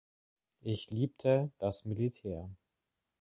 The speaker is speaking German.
Ich liebte das Militär.